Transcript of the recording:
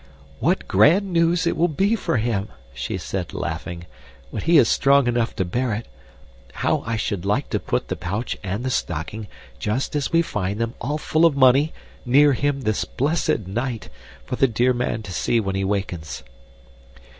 "What grand news it will be for him," she said, laughing, "when he is strong enough to bear it. How I should like to put the pouch and the stocking, just as we find them, all full of money, near him this blessed night, for the dear man to see when he wakens."